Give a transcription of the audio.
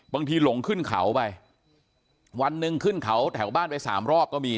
หลงขึ้นเขาไปวันหนึ่งขึ้นเขาแถวบ้านไปสามรอบก็มี